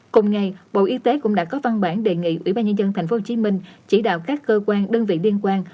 cùng ngày bộ y tế cũng đã có văn bản đề nghị ủy ban nhân dân tp hcm chỉ đạo các cơ quan đơn vị liên quan